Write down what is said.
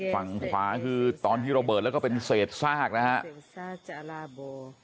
ฝั่งขวาคือตอนที่ระเบิดแล้วก็เป็นเศษซากนะครับ